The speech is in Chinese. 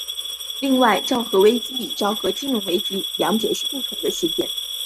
另外昭和危机跟昭和金融危机两者是不同的事件。